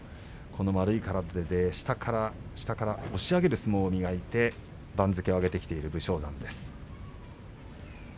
丸い体で下から下から押し上げる相撲を磨いて番付を上げてきている武将山です。